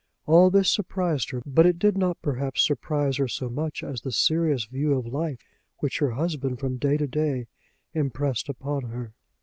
All this surprised her. But it did not perhaps surprise her so much as the serious view of life which her husband from day to day impressed upon her.